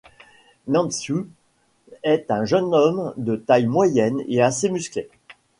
Natsu est un jeune homme de taille moyenne et assez musclé.